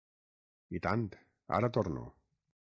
I tant, ara torno.